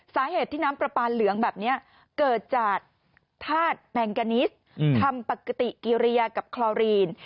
สาเหตุที่น้ำปลาปลาเหลืองแบบนี้เกิดจากธาตุแมงกานิสทำปกติกิริยากับคลอรีน